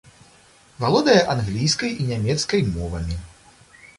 Валодае англійскай і нямецкай мовамі.